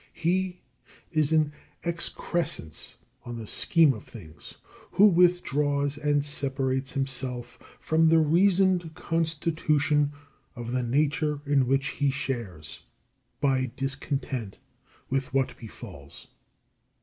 He is an excrescence on the scheme of things, who withdraws and separates himself from the reasoned constitution of the nature in which he shares, by discontent with what befalls.